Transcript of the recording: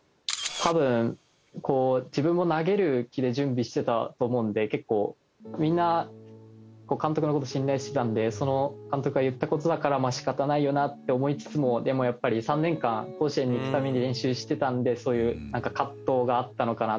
多分こう自分も投げる気で準備してたと思うので結構みんな監督の事信頼してたのでその監督が言った事だから仕方ないよなって思いつつもでもやっぱり３年間甲子園に行くために練習してたのでそういう葛藤があったのかなっていうふうには思ってました。